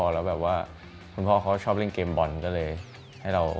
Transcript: แล้วแบบว่าคุณพ่อเขาชอบเล่นเกมบอลก็เลยให้เรา